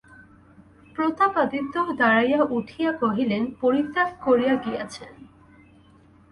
প্রতাপাদিত্য দাঁড়াইয়া উঠিয়া কহিলেন, পরিত্যাগ করিয়া গিয়াছেন!